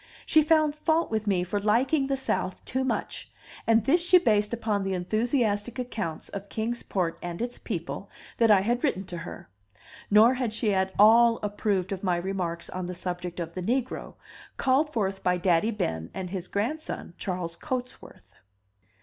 She found fault with me for liking the South too much, and this she based upon the enthusiastic accounts of Kings Port and its people that I had written to her; nor had she at all approved of my remarks on the subject of the negro, called forth by Daddy Ben and his grandson Charles Cotesworth.